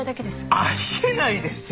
あり得ないですよ。